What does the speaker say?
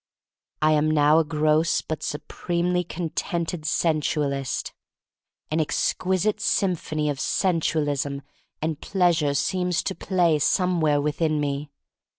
I am now a gross but supremely contented sensual ist. An exquisite symphony of sensual ism and pleasure seems to play some where within me.